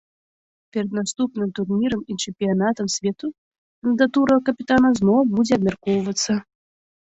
Перад наступным турнірам і чэмпіянатам свету кандыдатура капітана зноў будзе абмяркоўвацца.